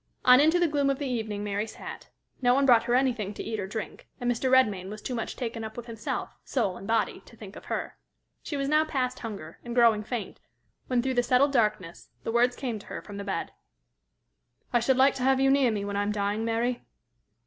On into the gloom of the evening Mary sat. No one brought her anything to eat or drink, and Mr. Redmain was too much taken up with himself, soul and body, to think of her. She was now past hunger, and growing faint, when, through the settled darkness, the words came to her from the bed: "I should like to have you near me when I am dying, Mary."